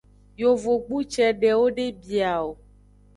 Yovogbu cedewo de bia o.